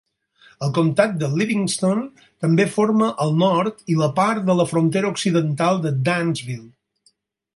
El Comtat de Livingston també forma el nord i la part de la frontera occidental de Dansville.